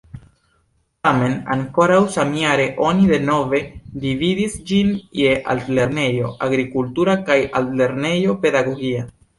Tamen ankoraŭ samjare oni denove dividis ĝin je Altlernejo Agrikultura kaj Altlernejo Pedagogia.